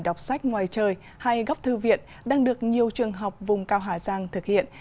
đọc sách ngoài trời hay góc thư viện đang được nhiều trường học vùng cao hà giang thực hiện